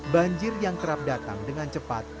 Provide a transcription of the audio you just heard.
banjir yang kerap datang dengan cepat